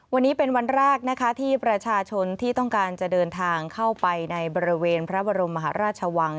วันนี้เป็นวันแรกนะคะที่ประชาชนที่ต้องการจะเดินทางเข้าไปในบริเวณพระบรมมหาราชวัง